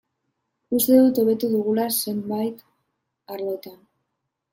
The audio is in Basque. Uste dut hobetu dugula zenbait arlotan.